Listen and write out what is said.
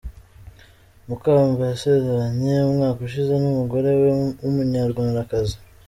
Mukamba yasezeranye umwaka ushize n’umugore we w’umunyarwandakazi.